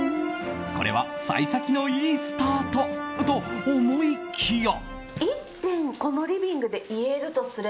これは幸先の良いスタートと思いきや。